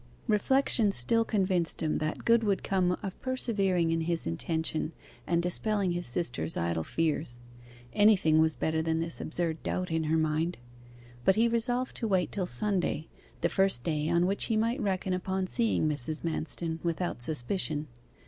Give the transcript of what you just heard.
Reflection still convinced him that good would come of persevering in his intention and dispelling his sister's idle fears. Anything was better than this absurd doubt in her mind. But he resolved to wait till Sunday, the first day on which he might reckon upon seeing Mrs. Manston without suspicion.